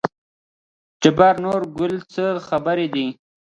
جبار: نورګله څه خبره ده.